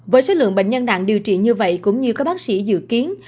với số lượng bệnh nhân nặng điều trị như vậy cũng như các bác sĩ dự kiến